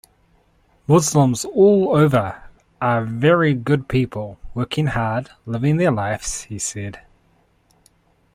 'Muslims all over are very good people, working hard, living their lives,' he said.